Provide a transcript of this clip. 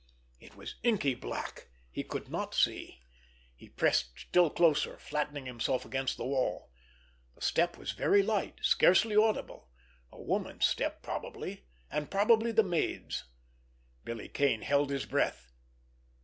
It was inky black. He could not see. He pressed still closer, flattening himself against the wall. The step was very light, scarcely audible; a woman's step probably, and probably the maid's. Billy Kane held his breath.